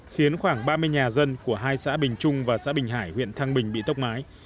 khiến khoảng ba mươi nhà dân của hai xã bình trung và xã bình hải huyện thăng bình bị tốc mái